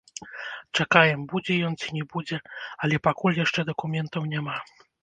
Чакаем, будзе ён ці не будзе, але пакуль яшчэ дакументаў няма.